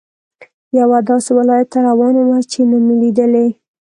یوه داسې ولایت ته روان وم چې نه مې لیدلی.